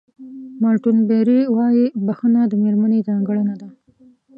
مالټون بېري وایي بښنه د مېرمنې ځانګړنه ده.